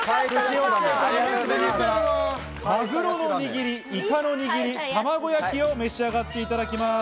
マグロの握り、イカの握り、玉子焼きを召し上がっていただきます。